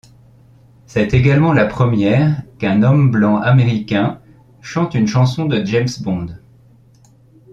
C'est également la première qu'un homme blanc américain chante une chanson de James Bond.